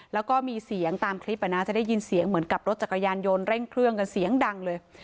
แล้วก็มีเสียงตามคลิปจะได้ยินเสียงเหมือนกับรถจักรยานยนต์เร่งเครื่องกันเสียงดังเลย